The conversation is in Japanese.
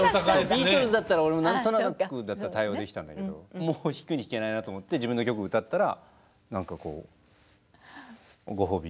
ビートルズだったら俺も何となくだったら対応できたんだけどもう引くに引けないなと思って自分の曲歌ったら何かこうご褒美頂いて。